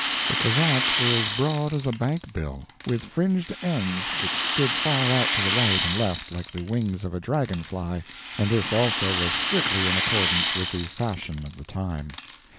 The cravats were as broad as a bankbill, with fringed ends which stood far out to right and left like the wings of a dragon fly, and this also was strictly in accordance with the fashion of the time.